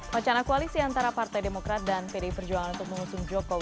wacana koalisi antara partai demokrat dan pdi perjuangan untuk mengusung jokowi